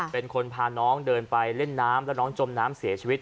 เป็นคนพาน้องเดินไปเล่นน้ำแล้วน้องจมน้ำเสียชีวิต